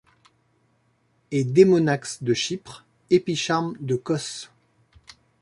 Et Démonax de Chypre, Epicharme de Cos